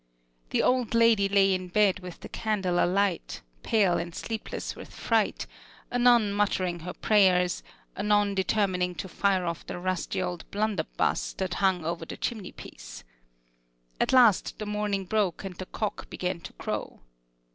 The old lady lay in bed with the candle alight, pale and sleepless with fright, anon muttering her prayers, anon determined to fire off the rusty old blunderbuss that hung over the chimneypiece. At last the morning broke, and the cock began to crow.